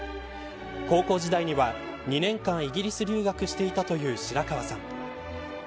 高校時代には２年間イギリス留学していたという白河さん。